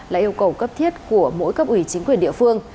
là yêu cầu cấp thiết của mỗi cấp ủy chính quyền địa phương